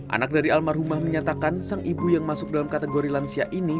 anak dari almarhumah menyatakan sang ibu yang masuk dalam kategori lansia ini